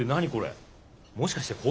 もしかして紅茶？